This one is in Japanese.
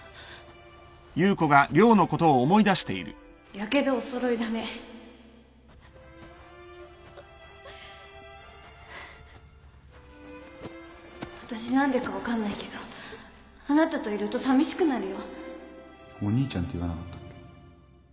ヤケドおそろいだねわたし何でか分かんないけあなたといると寂しくなるよお兄ちゃんて言わなかった？